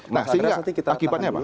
nah sehingga akibatnya apa